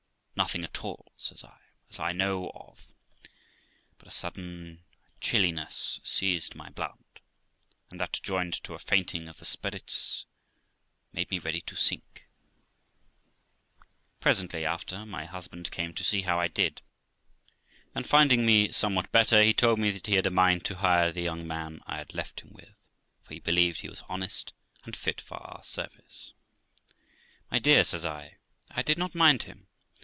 'Nothing at all', says I, 'as I know of; but a sudden chilliness seized my blood, and that, joined to a fainting of the spirits, made me ready to sink.' Presently after, my husband came to see how I did, and finding me somewhat better, he told me that he had a mind to hire the young man I had left him with, for he believed he was honest and fit for our service. 'My dear', says I, 'I did not mind him.